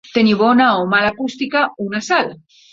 Tenir bona o mala acústica una sala.